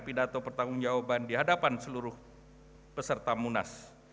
pidato pertanggung jawaban di hadapan seluruh peserta munas